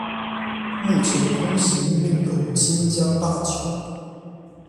目前通行另有清江大桥。